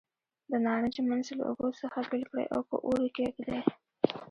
د نارنج منځ له اوبو څخه بېل کړئ او په اور یې کېږدئ.